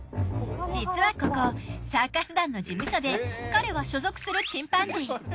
実はここサーカス団の事務所で彼は所属するチンパンジー。